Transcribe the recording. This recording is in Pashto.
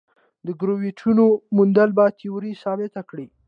د ګرویټونو موندل به تیوري ثابته کړي.